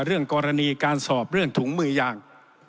เรื่องกรณีการสอบเรื่องถุงมือยาง